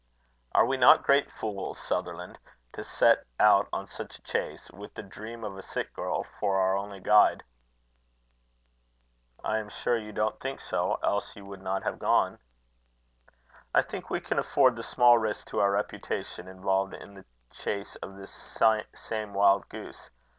"Are we not great fools, Sutherland, to set out on such a chase, with the dream of a sick girl for our only guide?" "I am sure you don't think so, else you would not have gone." "I think we can afford the small risk to our reputation involved in the chase of this same wild goose.